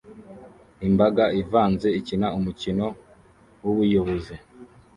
Imbaga ivanze ikina umukino wubuyobozi